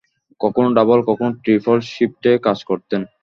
কখনো ডাবল, কখনো ট্রিপল শিফটে কাজ করতেন।